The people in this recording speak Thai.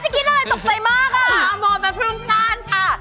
จะกินอะไรตกใจมากอะมองมาพึ่งก้านค่ะ